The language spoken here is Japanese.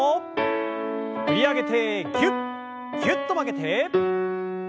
振り上げてぎゅっぎゅっと曲げて。